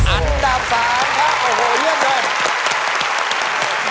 อันดับ๓ครับโอ้โหเยี่ยมเลย